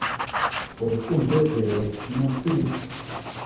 urukundo rwe n’ukuri kwe.